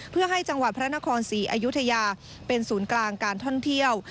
เพื่อให้จังหวัดพระนครศรีอยุธยาเป็นศูนย์กลางการท่องเที่ยว